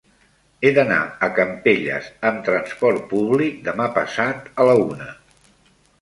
He d'anar a Campelles amb trasport públic demà passat a la una.